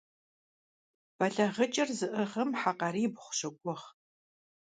БэлагъыкӀыр зыӀыгъым хьэ къарибгъу щогугъ.